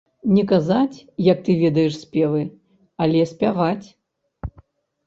Не казаць, як ты ведаеш спевы, але спяваць.